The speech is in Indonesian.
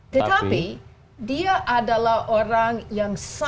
tetapi dia adalah orang yang sangat